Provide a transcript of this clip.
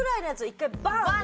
１回バーン